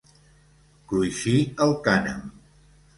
Cruixir el cànem.